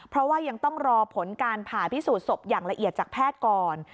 เพราะว่ายังต้องรอผลการผ่าพิสูจนศพอย่างละเอียดจากแพทย์ก่อน